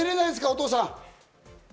お父さん。